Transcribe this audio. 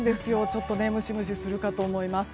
ちょっとムシムシするかと思います。